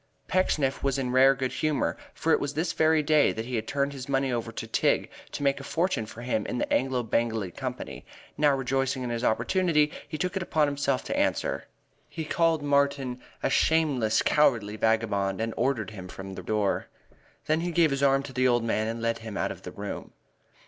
Pecksniff was in rare good humor, for it was this very day that he had turned his money over to Tigg to make a fortune for him in the great Anglo Bengalee Company. Now, rejoicing in his opportunity, he took it upon himself to answer. He called Martin a shameless, cowardly vagabond and ordered him from the door. Then he gave his arm to the old man and led him out of the room.